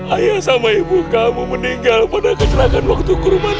ayo sama ibu kamu meninggal pada kecelakaan waktu kurban